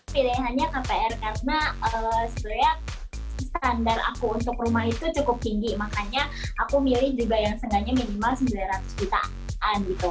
pilihannya kpr karena sebenarnya standar aku untuk rumah itu cukup tinggi makanya aku milih juga yang seengganya minimal sembilan ratus jutaan gitu